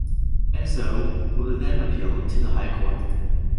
Esso then appealed to the High Court.